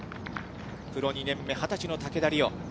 プロ２年目、２０歳の竹田麗央。